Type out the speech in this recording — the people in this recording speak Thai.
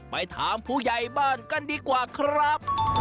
ไปถามผู้ใหญ่บ้านกันดีกว่าครับ